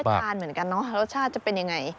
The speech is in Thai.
ผมครอบคุณทานเหมือนกันล่ะรสชาติจะเป็นอย่างไง